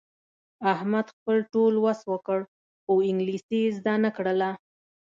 احمد خپل ټول وس وکړ، خو انګلیسي یې زده نه کړله.